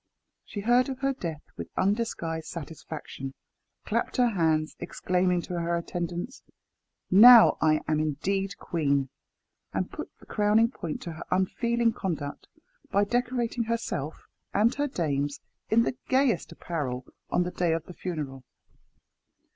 She heard of her death with undisguised satisfaction, clapped her hands, exclaiming to her attendants, "Now I am indeed queen!" and put the crowning point to her unfeeling conduct by decorating herself and her dames in the gayest apparel on the day of the funeral.